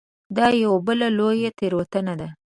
دا یوه بله لویه تېروتنه ده.